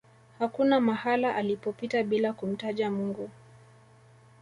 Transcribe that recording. hakuna mahala alipopita bila kumtaja mungu